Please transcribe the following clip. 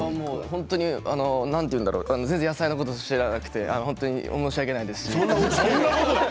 本当に野菜のことを知らなくて本当に申し訳ないです。